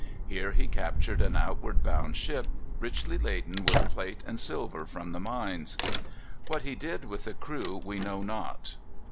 Here he captured an outward bound ship, richly laden with plate and silver from the mines. What he did with the crew we know not.